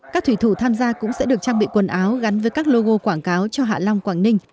các thủy thủ tham gia cũng sẽ được trang bị quần áo gắn với các logo quảng cáo cho hạ long quảng ninh